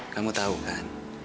kamu tau kan